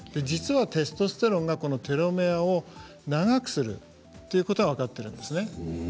実はテストステロンがテロメアを長くするということが分かっているんですね。